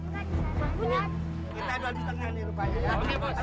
kita langsung bikin bom yang sebanyak mungkin